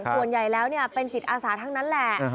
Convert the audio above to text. ส่วนใหญ่แล้วเป็นจิตอาสาทั้งนั้นแหละ